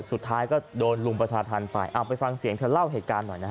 สุดท้ายก็โดนรุมประชาธรรมไปเอาไปฟังเสียงเธอเล่าเหตุการณ์หน่อยนะฮะ